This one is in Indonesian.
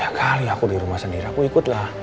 ya kali aku dirumah sendiri aku ikutlah